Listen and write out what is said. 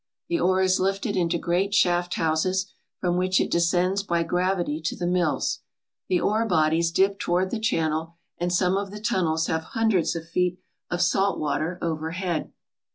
The ore is lifted into great shafthouses, from which it descends by gravity to the mills. The ore bodies dip toward the channel, and some of the tunnels have hundreds of feet of salt water overhead.